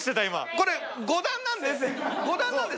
これ５段なんで。